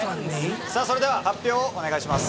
さぁそれでは発表をお願いします。